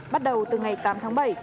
bắt đầu từ ngày tám tháng bảy